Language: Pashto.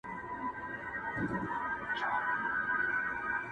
ډېر به درسي تر درشله جهاني به پیدا نه کې٫